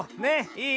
いい？